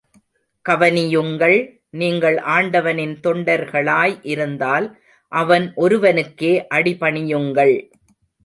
கவனியுங்கள், நீங்கள் ஆண்டவனின் தொண்டர்களாய் இருந்தால் அவன் ஒருவனுக்கே அடிபணியுங்கள்!